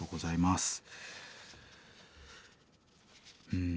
うん。